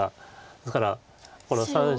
ですからこの３子。